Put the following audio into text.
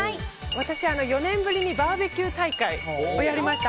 私、４年ぶりにバーベキュー大会をやりました。